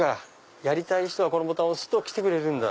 やりたい人はボタンを押すと来てくれるんだ。